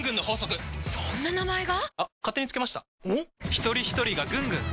ひとりひとりがぐんぐん！